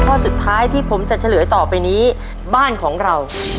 ข้อสุดท้ายที่ผมจะเฉลยต่อไปนี้บ้านของเรา